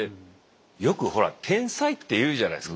よくほら天才って言うじゃないですか。